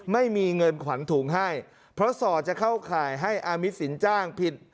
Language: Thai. ไม่มีเงินขวัญถุงให้เพราะสอดจะเข้าข่ายให้อามิตสินจ้างผิด